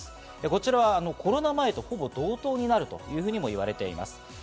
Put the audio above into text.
こちらはコロナ前とほぼ同等になるともいわれています。